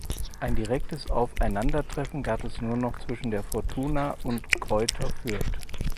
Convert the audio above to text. Ein direktes Aufeinandertreffen gab es nur noch zwischen der Fortuna und Greuther Fürth.